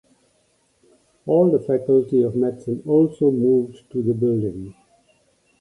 All the faculty of medicine also moved to the building.